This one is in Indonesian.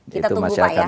kita tunggu pak ya